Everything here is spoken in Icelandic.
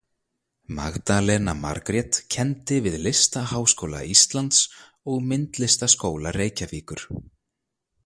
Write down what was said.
Magdalena Margrét kenndi við Listaháskóla Íslands og Myndlistaskóla Reykjavíkur.